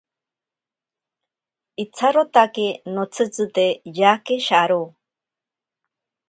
Itsarotake notsitzite yake sharo.